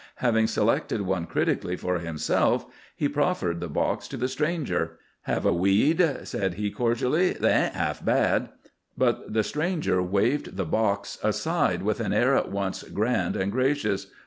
Having selected one critically for himself, he proffered the box to the stranger. "Have a weed?" said he cordially. "They ain't half bad." But the stranger waved the box aside with an air at once grand and gracious.